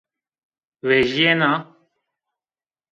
Vejîyena